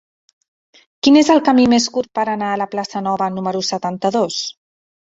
Quin és el camí més curt per anar a la plaça Nova número setanta-dos?